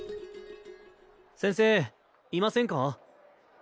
先生いませんか？